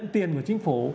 cái tiền của chính phủ